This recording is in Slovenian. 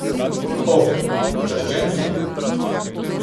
Oh... počaščen sem.